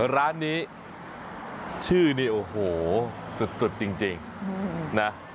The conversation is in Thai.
ร้านนี้ชื่อนี่โอ้โหสุดจริงนะ